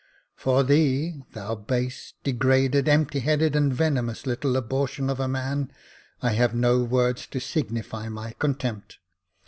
" For thee, thou base, degraded, empty headed, and venomous little abortion of a man, I have no words to signify my contempt.